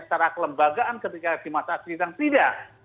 secara kelembagaan ketika di masa sidang tidak